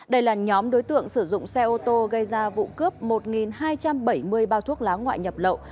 đây là nhóm đối tượng sử dụng xe ô tô gây ra vụ cướp một hai trăm bảy mươi bao thuốc lá ngoại nhập lậu